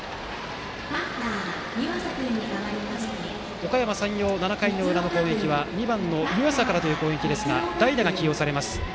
おかやま山陽、７回の裏の攻撃は２番の湯淺からという攻撃ですが代打が起用されます。